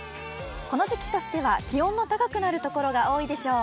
この時期としては気温の高くなる所が多いでしょう。